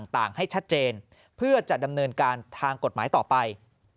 ต่างให้ชัดเจนเพื่อจะดำเนินการทางกฎหมายต่อไป